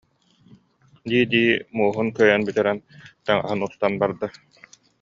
дии-дии, мууһун көйөн бүтэрэн, таҥаһын устан барда